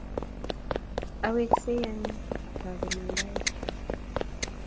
Aweeksei anyo atoben anganik chu